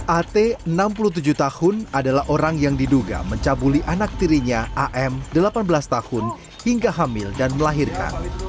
at enam puluh tujuh tahun adalah orang yang diduga mencabuli anak tirinya am delapan belas tahun hingga hamil dan melahirkan